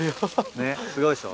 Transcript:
ねっすごいでしょ。